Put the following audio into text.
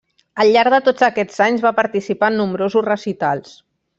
Al llarg de tots aquests anys va participar en nombrosos recitals.